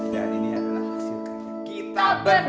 jadi ini adalah hasil kita bertiga